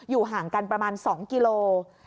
อยู่ห่างกันประมาณ๒กิโลเมตร